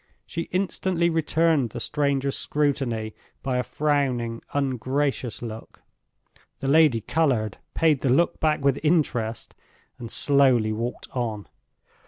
She instantly returned the stranger's scrutiny by a frowning, ungracious look. The lady colored, paid the look back with interest, and slowly walked on.